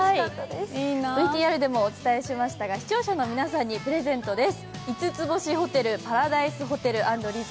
ＶＴＲでもお伝えしましたが視聴者の皆さんにプレゼントです。